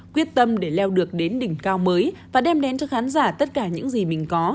quyết tâm để leo được đến đỉnh cao mới và đem đến cho khán giả tất cả những gì mình có